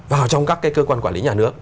vào trong các cái cơ quan quản lý nhà nước